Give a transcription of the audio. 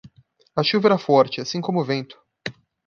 A chuva era forte, assim como o vento.